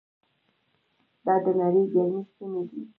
دا د نړۍ ګرمې سیمې دي.